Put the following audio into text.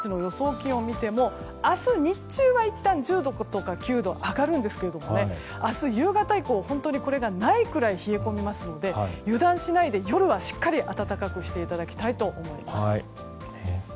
気温を見ても明日、日中はいったん１０度とか９度に上がるんですけども明日夕方以降本当にこれがないくらい冷え込みますので油断しないで、夜はしっかり暖かくしていただきたいと思います。